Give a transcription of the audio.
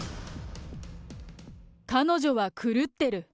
彼女は狂ってる。